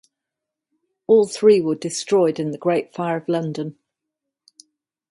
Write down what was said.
All three were destroyed in the Great Fire of London.